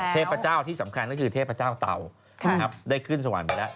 เทพเจ้าที่สำคัญก็คือเทพเจ้าเตานะครับได้ขึ้นสวรรค์ไปแล้ว